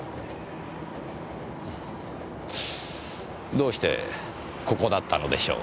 どうしてここだったのでしょう？